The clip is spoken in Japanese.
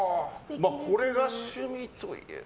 これが趣味といえば。